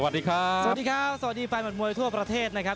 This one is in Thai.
สวัสดีครับสวัสดีครับสวัสดีแฟนมัดมวยทั่วประเทศนะครับ